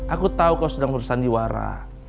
aku tahu kau sedang merusak andiwara